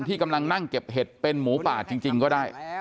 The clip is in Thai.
ที่กำลังนั่งเก็บเห็ดเป็นหมูป่าจริงก็ได้